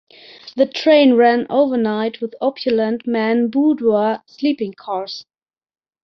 The train ran overnight with opulent Mann Boudoir sleeping cars.